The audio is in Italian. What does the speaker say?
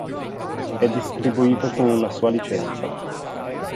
È distribuito con una sua licenza.